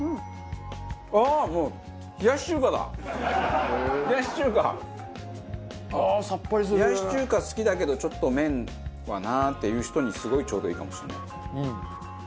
冷やし中華好きだけどちょっと麺はなっていう人にすごいちょうどいいかもしれない。